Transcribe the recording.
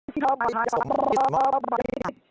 ที่เข้ามาทาน